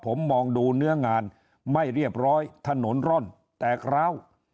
ผมมองดูเนื้องานไม่เรียบร้อยถนนร่อนแตกร้าว